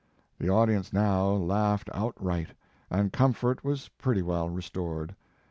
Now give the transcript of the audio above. The audience now laughed outright, and com fort was pretty well restored.